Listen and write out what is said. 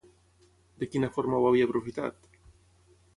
De quina forma ho havia aprofitat?